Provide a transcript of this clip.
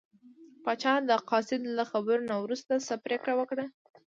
پاچا د قاصد له خبرو نه وروسته څه پرېکړه وکړه.